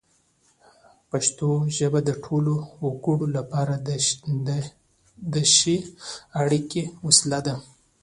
پښتو ژبه د ټولو وګړو لپاره د ښې اړیکې وسیله ده.